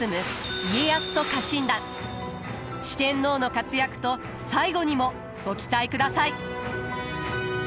四天王の活躍と最期にもご期待ください。